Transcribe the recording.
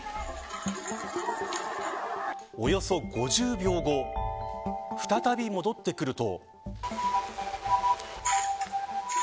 およそ５０秒後再び戻ってくると。